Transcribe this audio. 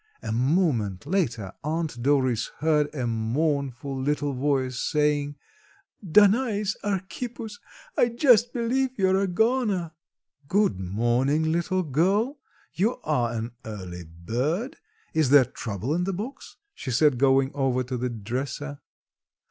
A moment later Aunt Doris heard a mournful little voice saying: "Danais Archippus, I just believe you're a goner." "Good morning, little girl, you are an early bird; is there trouble in the box?" she said going over to the dresser.